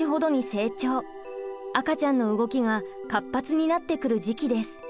赤ちゃんの動きが活発になってくる時期です。